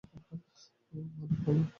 ওহ, ভালো, ভালো, ভালো।